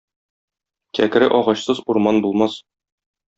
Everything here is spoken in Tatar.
Кәкре агачсыз урман булмас.